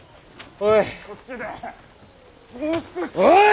おい！